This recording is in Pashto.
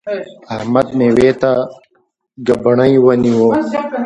احمد؛ مېوې ته ګبڼۍ ونیو.